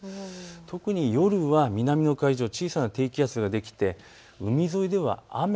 特に夜は南の海上、小さな低気圧ができて海沿いでは雨。